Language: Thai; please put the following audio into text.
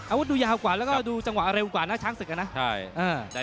อาวุธดูยาวกว่าแล้วก็ดูจังหวะเร็วกว่านะช้างศึกนะ